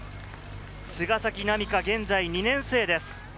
菅崎南花、現在２年生です。